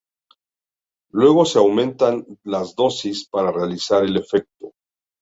Luego se aumentan las dosis para realizar el efecto.